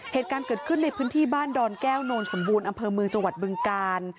เหตุการณ์เกิดขึ้นในพื้นที่บ้านดอนแก้วโนนสมบูรณ์อำเภอเมืองจังหวัดบึงกาล